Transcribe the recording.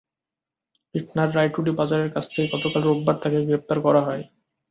ইটনার রায়টুটি বাজারের কাছ থেকে গতকাল রোববার তাঁকে গ্রেপ্তার করা হয়।